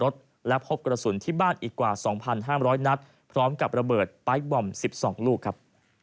สองลูกครับ